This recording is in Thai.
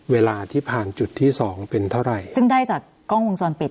เวลาที่ผ่านจุดที่สองเป็นเท่าไหร่ซึ่งได้จากกล้องวงจรปิด